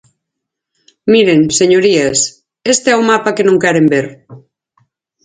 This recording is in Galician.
Miren, señorías, este é o mapa que non queren ver.